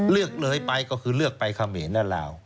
เลือกเลยไปก็คือเลือกไปเขมรและลาว